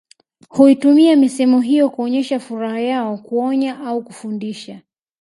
Huitumia misemo hiyo kuonyesha furaha yao kuonya au kufundisha